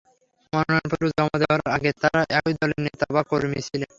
মনোনয়নপত্র জমা দেওয়ার আগে তাঁরা একই দলের নেতা বা কর্মী ছিলেন।